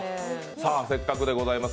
せっかくでございます。